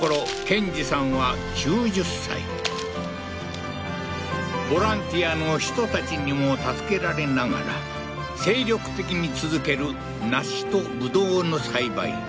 建治さんは９０歳ボランティアの人たちにも助けられながら精力的に続ける梨と葡萄の栽培